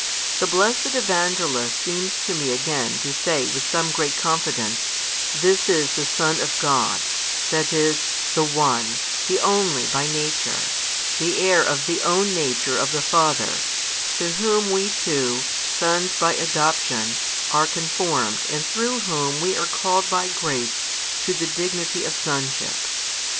The blessed Evangelist seems to me again to say with some great confidence, This is the Son of God, that is, the One, the Only by Nature, the Heir of the Own Nature of the Father, to Whom we too, sons by adoption, are conformed and through Whom we are called by grace to the dignity of sonship.